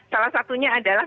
salah satunya adalah